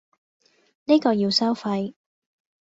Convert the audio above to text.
呢個要收費